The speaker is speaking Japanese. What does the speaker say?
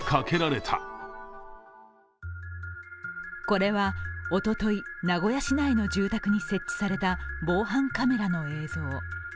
これは、おととい、名古屋市内の住宅に設置された防犯カメラの映像。